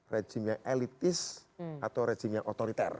rejim yang elitis atau rejim yang otoriter